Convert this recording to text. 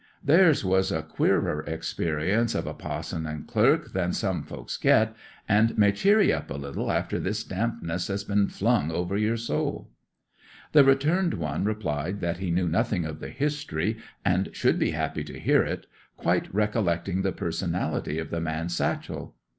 'Theirs was a queerer experience of a pa'son and clerk than some folks get, and may cheer 'ee up a little after this dampness that's been flung over yer soul.' The returned one replied that he knew nothing of the history, and should be happy to hear it, quite recollecting the personality of the man Satchel.